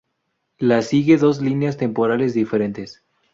La sigue dos líneas temporales diferentes.